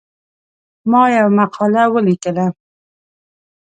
ما یوه مقاله ولیکله.